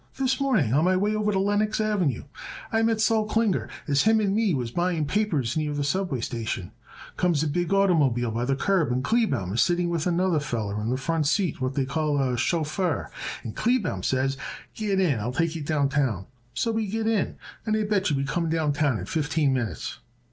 "This morning on my way over to Lenox Avenue. I met Sol Klinger and as him and me was buying papers near the subway station, comes a big oitermobile by the curb and Kleebaum is sitting with another feller in the front seat, what they call a chauffeur, and Kleebaum says, 'Get in and I'll take you down town,' so we get in and I bet yer we come downtown in fifteen minutes."